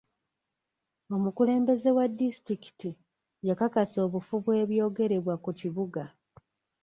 Omukulembeze wa disitulikiti yakakasa obufu bw'ebyogerebwa ku kibuga.